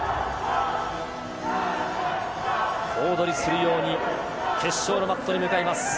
小躍りするように決勝のマットに向かいます。